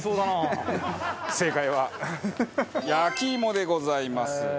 正解は焼き芋でございます。